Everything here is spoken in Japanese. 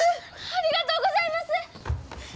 ありがとうございます！